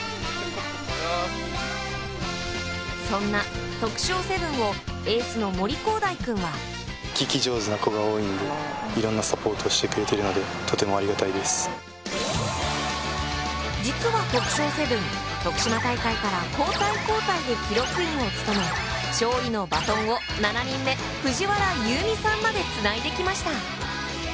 そんな徳商セブンをエースの森煌誠君は実は徳商セブン、徳島大会から交代で記録員を務め勝利のバトンを７人目藤原夢心さんまでつないできました。